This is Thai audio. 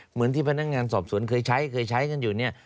เหมือนที่พนักงานสอบสวนเคยใช้เคยใช้กันอยู่เนี่ย